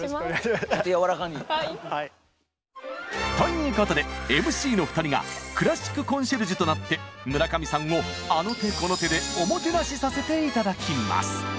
ということでＭＣの２人がクラシックコンシェルジュとなって村上さんをあの手この手で「おもてなし」させて頂きます。